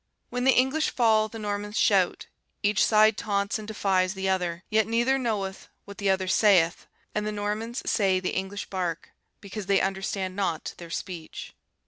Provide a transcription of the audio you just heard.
"When the English fall, the Normans shout. Each side taunts and defies the other, yet neither knoweth what the other saith; and the Normans say the English bark, because they understand not their speech.